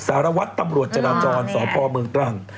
สารวัตรตำรวจจราจรสพเมืองตรัง